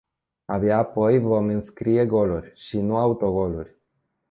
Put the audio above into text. Abia apoi vom înscrie goluri, și nu autogoluri.